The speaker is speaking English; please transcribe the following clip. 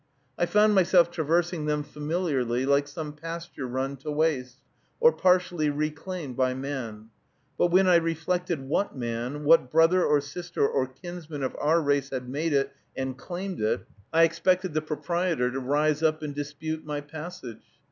I found myself traversing them familiarly, like some pasture run to waste, or partially reclaimed by man; but when I reflected what man, what brother or sister or kinsman of our race made it and claimed it, I expected the proprietor to rise up and dispute my passage.